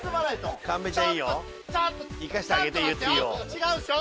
違うでしょ？